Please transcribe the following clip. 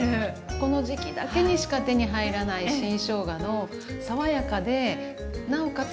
この時期だけにしか手に入らない新しょうがの爽やかでなおかつ